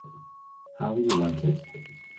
How You Want It?